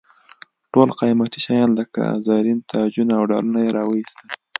ټول قیمتي شیان لکه زرین تاجونه او ډالونه یې را واېستل.